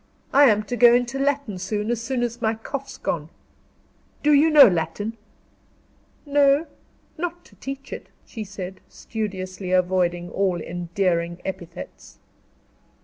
I am to go into Latin soon as soon as my cough's gone. Do you know Latin?" "No not to teach it," she said, studiously avoiding all endearing epithets.